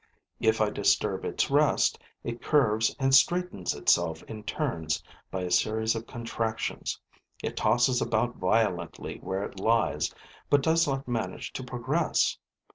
If I disturb its rest, it curves and straightens itself in turns by a series of contractions, it tosses about violently where it lies, but does not manage to progress.